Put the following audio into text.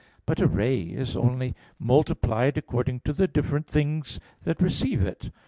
But a ray is only multiplied according to the different things that receive it.